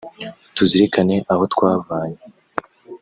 tuzirikane aho twavanye